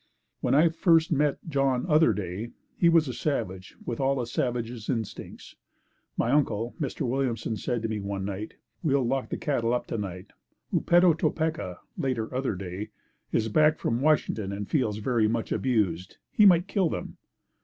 When I first knew John Otherday he was a savage with all a savage's instincts. My uncle, Mr. Williamson said to me one night, "We'll lock the cattle up tonight; Oupeto Topeca, later Otherday, is back from Washington and feels very much abused. He might kill them."